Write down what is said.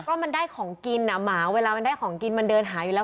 ก็มันได้ของกินอ่ะหมาเวลามันได้ของกินมันเดินหาอยู่แล้ว